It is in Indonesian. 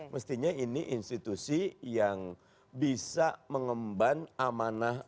mestinya ini institusi yang bisa mengemban amanah